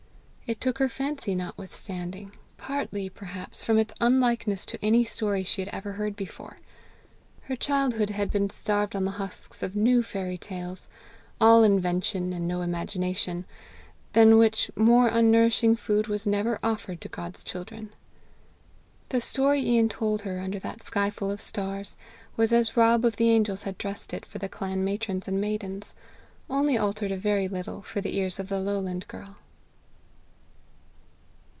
It took her fancy notwithstanding, partly, perhaps, from its unlikeness to any story she had ever heard before. Her childhood had been starved on the husks of new fairy tales, all invention and no imagination, than which more unnourishing food was never offered to God's children. The story Ian told her under that skyful of stars, was as Rob of the Angels had dressed it for the clan matrons and maidens, only altered a very little for the ears of the lowland girl.